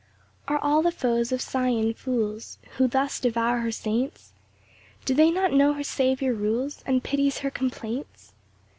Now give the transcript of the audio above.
1 Are all the foes of Sion fools, Who thus devour her saints? Do they not know her Saviour rules, And pities her complaints?